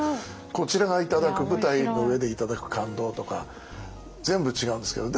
こちらが頂く舞台の上で頂く感動とか全部違うんですけど。